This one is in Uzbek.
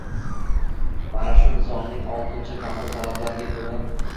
Mana shu Nizomning oltinci bandi talablariga ko‘ra